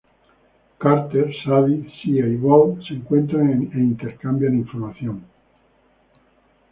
Carter, Sadie, Zia y Walt se encuentran e intercambian información.